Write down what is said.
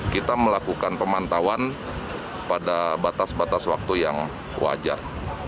kita melakukan pemantauan pada batas batas waktu yang wajar